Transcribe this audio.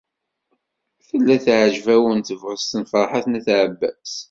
Tella teɛjeb-awen tebɣest n Ferḥat n At Ɛebbas.